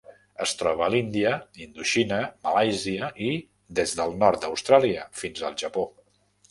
Es troba a l'Índia, Indoxina, Malàisia i des del nord d'Austràlia fins al Japó.